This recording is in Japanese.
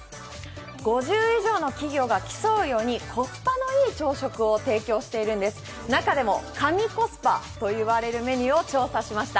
５０以上の企業が競うようにコスパのいい朝食を提供しているんです、中でも神コスパといわれるメニューを調査しました。